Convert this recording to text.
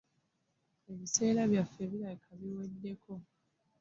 Ebiseera byaffe birabika biweddeko.